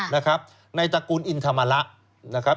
ในตระกุลอินทรรมระ